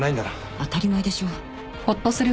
当たり前でしょ。